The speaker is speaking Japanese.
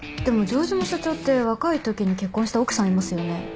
でも城島社長って若いときに結婚した奥さんいますよね？